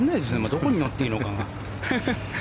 どこに乗っていいのかが。